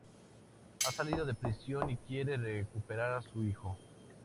Ha salido de prisión y quiere recuperar a su hijo.